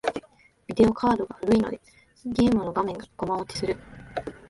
ビデオカードが古いので、ゲームの画面がコマ落ちする。